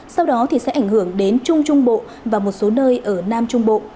sau đó sẽ ảnh hưởng đến trung trung bộ và một số nơi ở nam trung bộ